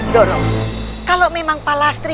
doro kalau memang pak lasri